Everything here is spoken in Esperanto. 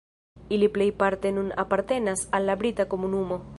Ili plejparte nun apartenas al la Brita Komunumo.